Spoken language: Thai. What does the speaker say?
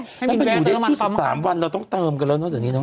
มันเป็นอยู่ได้๒๓วันเราต้องเติมกันแล้วเนอะเดี๋ยวนี้เนอะ